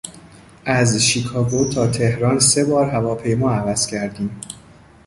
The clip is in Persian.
از شیکاگو تا تهران سه بار هواپیما عوض کردیم.